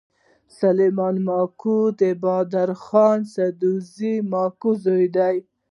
سلیمان ماکو د بارک خان سابزي ماکو زوی دﺉ.